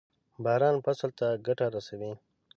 باران فصل ته ګټه رسوي.